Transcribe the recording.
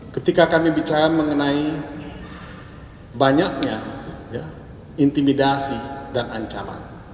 ketika kami bicara mengenai banyaknya intimidasi dan ancaman